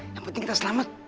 yang penting kita selamat